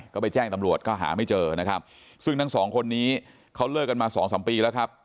ก็ไปแจ้งตำรวจก็หาไม่เจอนะครับซึ่งทั้งสองคนนี้เขาเลิกกันมาสองสามปีแล้วครับ